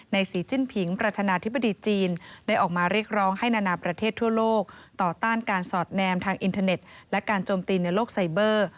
สีจิ้นผิงประธานาธิบดีจีนได้ออกมาเรียกร้องให้นานาประเทศทั่วโลกต่อต้านการสอดแนมทางอินเทอร์เน็ตและการโจมตีในโลกไซเบอร์